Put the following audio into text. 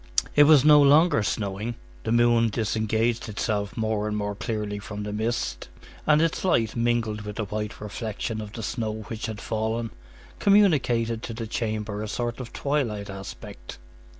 It was no longer snowing; the moon disengaged itself more and more clearly from the mist, and its light, mingled with the white reflection of the snow which had fallen, communicated to the chamber a sort of twilight aspect.